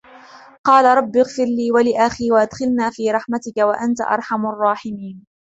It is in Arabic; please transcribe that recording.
قال رب اغفر لي ولأخي وأدخلنا في رحمتك وأنت أرحم الراحمين